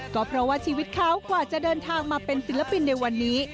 ก็เพราะว่าชีวิตเขากว่าจะเดินทางมาเป็นศิลปินในวันนี้